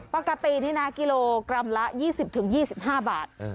ปกตินี่นะกิโลกรัมละ๒๐๒๕บาท